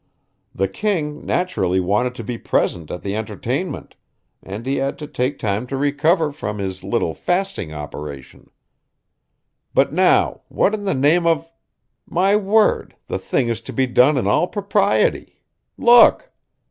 The king naturally wanted to be present at the entertainment, and he had to take time to recover from his little fasting operation. But now, what in the name of my word, the thing is to be done in all propriety!